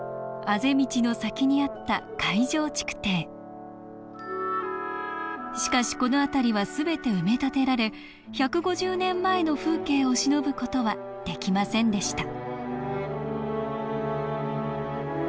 あぜ道の先にあった海上築堤しかしこの辺りは全て埋め立てられ１５０年前の風景をしのぶ事はできませんでした